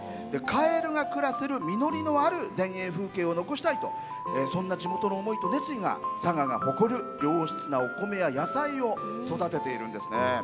カエルが暮らせる実りのある田園風景を残したいとそんな地元の思いと熱意が佐賀が誇る良質なお米や野菜を育てているんですね。